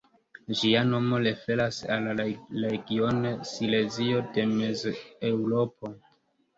Ĝia nomo referas al la regiono Silezio de Mezeŭropo.